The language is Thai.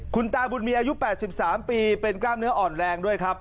คุณตาบุญมีอายุ๘๓ปีเป็นกล้ามเนื้ออ่อนแรงด้วยครับ